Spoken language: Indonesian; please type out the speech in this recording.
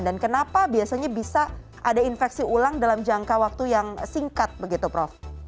dan kenapa biasanya bisa ada infeksi ulang dalam jangka waktu yang singkat begitu prof